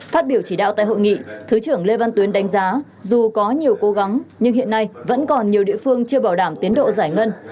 phát biểu chỉ đạo tại hội nghị thứ trưởng lê văn tuyến đánh giá dù có nhiều cố gắng nhưng hiện nay vẫn còn nhiều địa phương chưa bảo đảm tiến độ giải ngân